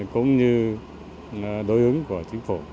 cũng như đối ứng của chính phủ